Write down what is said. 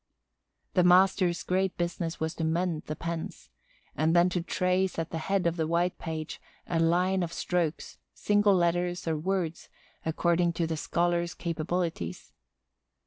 The master's great business was to mend the pens—and then to trace at the head of the white page a line of strokes, single letters, or words, according to the scholar's capabilities.